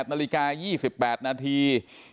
นาฬิกา๒๘นาที